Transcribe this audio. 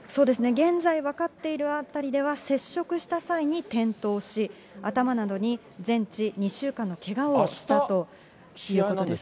現在分かっているあたりでは、接触した際に転倒し、頭などに全治２週間のけがをしたということです。